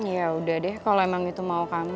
ya udah deh kalau emang itu mau kami